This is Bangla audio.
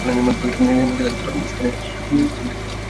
হেমিংওয়ে তার উত্তর মিশিগানের পটভূমিতে একাধিক সাহিত্য রচনা করেছেন।